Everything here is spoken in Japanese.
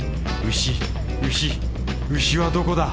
牛牛牛はどこだ？